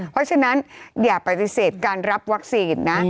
เพราะฉะนั้นอย่าปฏิเสธการรับวัคซีนนะ